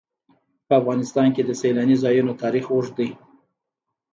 په افغانستان کې د سیلانی ځایونه تاریخ اوږد دی.